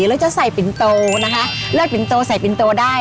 เราจะใส่ปินโตนะคะเลือดปินโตใส่ปินโตได้